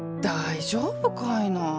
大丈夫かいな。